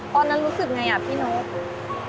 ตอนนั้นรู้สึกอย่างไรพี่นุษย์